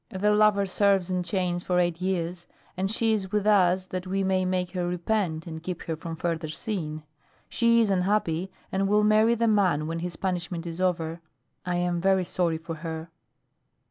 The lover serves in chains for eight years, and she is with us that we may make her repent and keep her from further sin. She is unhappy and will marry the man when his punishment is over. I am very sorry for her."